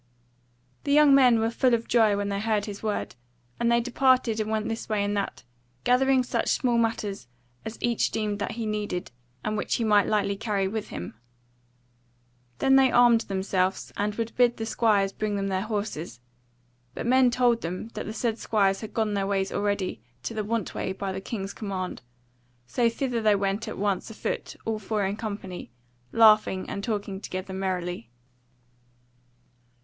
The young men were full of joy when they heard his word; and they departed and went this way and that, gathering such small matters as each deemed that he needed, and which he might lightly carry with him; then they armed themselves, and would bid the squires bring them their horses; but men told them that the said squires had gone their ways already to the Want way by the king's commandment: so thither they went at once a foot all four in company, laughing and talking together merrily.